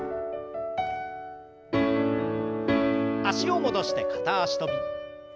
脚を戻して片脚跳び。